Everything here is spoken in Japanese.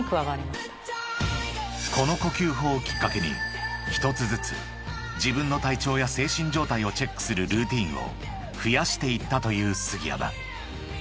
［この呼吸法をきっかけに一つずつ自分の体調や精神状態をチェックするルーティンを増やしていったという杉山］